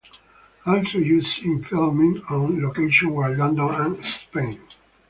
Also used in filming on location were London and Spain.